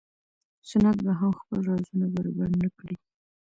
سنت به هم خپل رازونه بربنډ نه کړي.